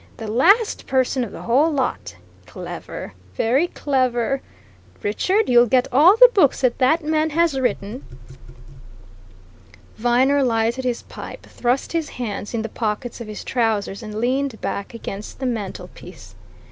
The last person of the whole lot! Clever very clever! Richard, you'll get all the books that that man has written!" Viner lighted his pipe, thrust his hands in the pockets of his trousers and leaned back against the mantelpiece.